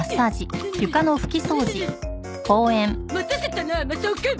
待たせたなマサオくん。